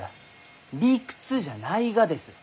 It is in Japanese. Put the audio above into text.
理屈じゃないがです！